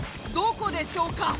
どこでしょうか？